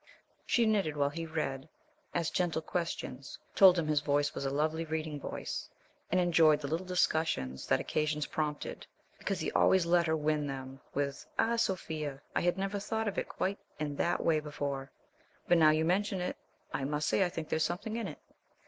She knitted while he read, asked gentle questions, told him his voice was a "lovely reading voice," and enjoyed the little discussions that occasions prompted because he always let her with them with "Ah, Sophia, I had never thought of it quite in that way before; but now you mention it I must say I think there's something in it...."